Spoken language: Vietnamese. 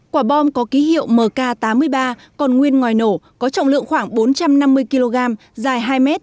quả bom có ký hiệu mk tám mươi ba còn nguyên ngoài nổ có trọng lượng khoảng bốn trăm năm mươi kg dài hai m